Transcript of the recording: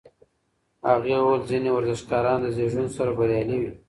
هغې وویل ځینې ورزشکاران د زېږون سره بریالي وي.